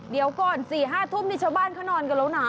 เดี๋ยวก่อน๔๕ทุ่มนี่ชาวบ้านเขานอนกันแล้วนะ